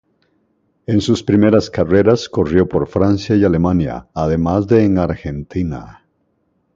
En sus primeras carreras corrió por Francia y Alemania, además de en Argentina.